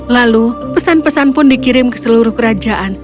lalu pesan pesan pun dikirim ke seluruh kerajaan